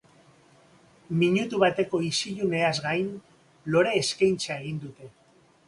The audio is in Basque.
Minutu bateko isiluneaz gain, lore-eskaintza egin dute.